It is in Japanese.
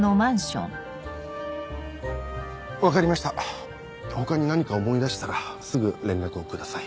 分かりました他に何か思い出したらすぐ連絡をください。